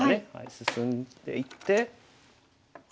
進んでいって。